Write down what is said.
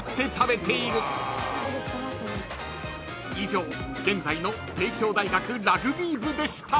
［以上現在の帝京大学ラグビー部でした］